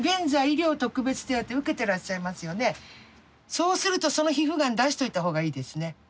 そうするとその皮膚がん出しておいたほうがいいですね。